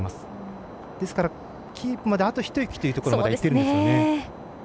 ですからキープまであとひと息というところまでいっています。